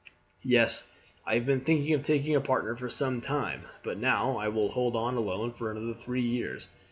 "Yes, I have been thinking of taking a partner for some time, but now I will hold on alone for another three years.